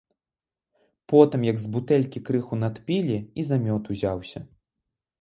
Потым, як з бутэлькі крыху надпілі, і за мёд узяўся.